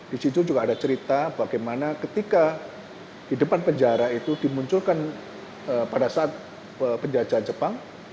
di situ juga ada cerita bagaimana ketika di depan penjara itu dimunculkan pada saat penjajahan jepang